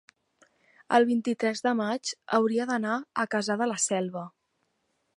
el vint-i-tres de maig hauria d'anar a Cassà de la Selva.